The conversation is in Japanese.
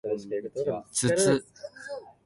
つつ